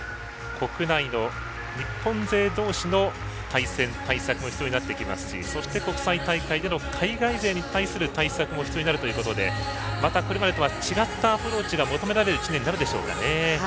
国内の日本勢同士の対戦対策も必要となってきますしそして、国際大会での海外勢に対する対策も必要になるということでまたこれまでとは違ったアプローチが求められる１年になるでしょうか。